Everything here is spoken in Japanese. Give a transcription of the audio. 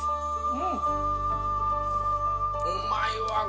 うん！